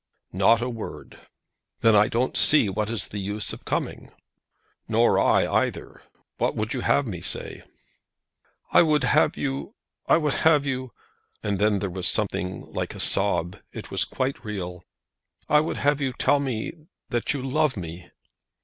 "Not a word." "Then I don't see what is the use of coming?" "Nor I, either. What would you have me say?" "I would have you, I would have you " And then there was something like a sob. It was quite real. "I would have you tell me that you love me."